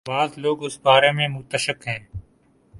بعض لوگ اس بارے میں متشکک ہیں۔